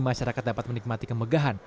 masyarakat dapat menikmatikan lampu natal